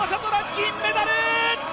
虎、銀メダル！